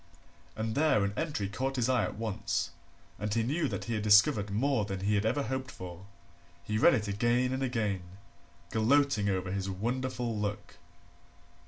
And there an entry caught his eye at once and he knew that he had discovered more than he had ever hoped for. He read it again and again, gloating over his wonderful luck.